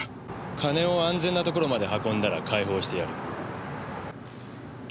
金を安全な所まで運んだら解放してやる。